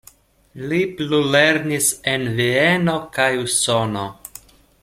Li plulernis en Vieno kaj Usono.